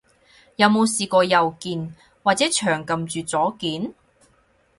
有冇試過右鍵，或者長撳住左鍵？